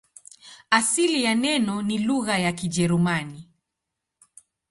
Asili ya neno ni lugha ya Kijerumani.